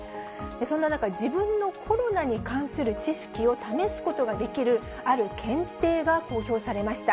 そんな中、自分のコロナに関する知識を試すことができる、ある検定が公表されました。